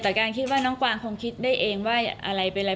แต่การคิดว่าน้องกวางคงคิดได้เองว่าอะไรเป็นอะไร